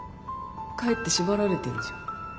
かえって縛られてんじゃん。